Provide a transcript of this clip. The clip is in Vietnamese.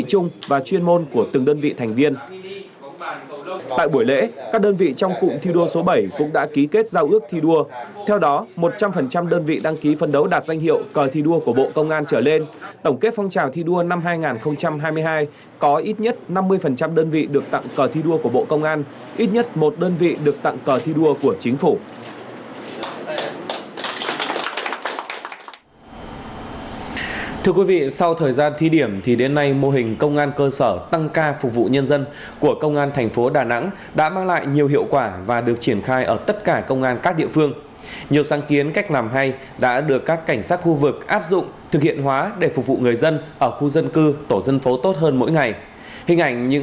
tại buổi lễ các đơn vị trong cụm thi đua số bảy cũng đã ký kết giao ước thi đua theo đó một trăm linh đơn vị đăng ký phân đấu đạt danh hiệu cờ thi đua của bộ công an trở lên tổng kết phong trào thi đua năm hai nghìn hai mươi hai có ít nhất năm mươi đơn vị được tặng cờ thi đua của bộ công an ít nhất một đơn vị được tặng cờ thi đua của chính phủ